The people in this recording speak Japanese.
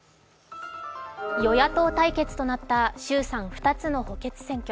与野党対決となった衆参２つの補欠選挙